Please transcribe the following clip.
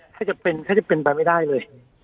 ก็จะเป็นไปไม่ได้เลย